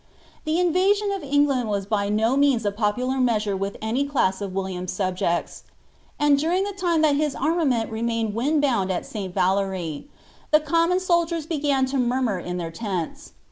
The invasion of England was by no means a popnlar measure wilh any class of William's auhjerts; end during the time that his armameni remained wind boimd at St. Valleri, the common soldier? began to mnr mtir in their tents.